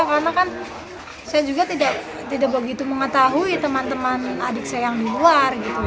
karena kan saya juga tidak begitu mengetahui teman teman adik saya yang di luar gitu